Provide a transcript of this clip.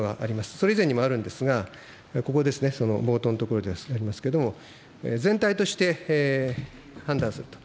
それ以前にもあるんですが、ここですね、冒頭のところでありますけれども、全体として、判断すると。